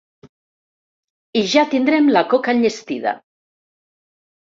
I ja tindrem la coca enllestida.